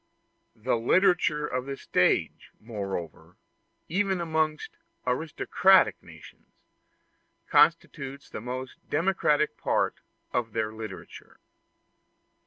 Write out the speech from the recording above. The literature of the stage, moreover, even amongst aristocratic nations, constitutes the most democratic part of their literature.